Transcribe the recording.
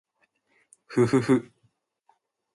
ふふふ